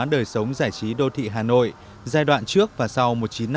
đời sống giải trí đô thị hà nội giai đoạn trước và sau một nghìn chín trăm năm mươi